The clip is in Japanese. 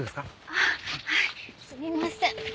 あはいすみません。